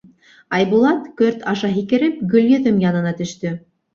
Айбулат, көрт аша һикереп, Гөлйөҙөм янына төштө.